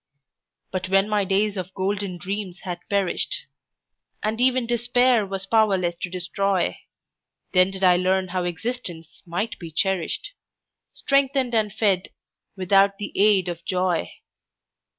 But when my days of golden dreams had perished, And even Despair was powerless to destroy, Then did I learn how existence might be cherished, Strengthened and fed without the aid of joy.